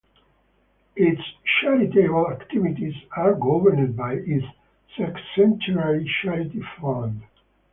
Its charitable activities are governed by its Sexcentenary Charity Fund.